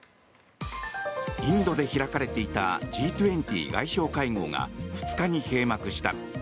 インドで開かれていたＧ２０外相会合が２日に閉幕した。